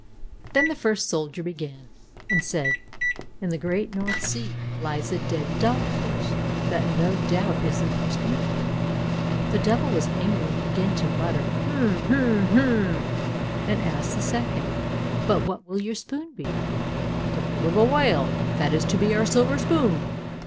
Then the first soldier began and said, "In the great North Sea lies a dead dog fish, that no doubt is the roast meat." The Devil was angry, and began to mutter, "Hm! hm! hm!" And asked the second, "But what will your spoon be?" "The rib of a whale, that is to be our silver spoon."